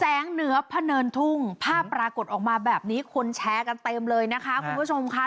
เหนือพะเนินทุ่งภาพปรากฏออกมาแบบนี้คนแชร์กันเต็มเลยนะคะคุณผู้ชมค่ะ